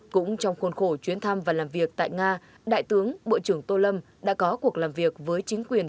cũng trong khuôn khổ chuyến thăm và làm việc tại nga đại tướng bộ trưởng tô lâm đã có cuộc làm việc với chính quyền